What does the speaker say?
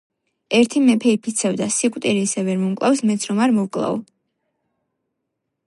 ერთი მეფე იფიცებდა: სიკვდილი ისე ვერ მომკლავს, მეც რომ არ მოვკლაო!